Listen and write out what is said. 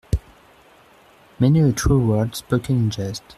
Many a true word spoken in jest.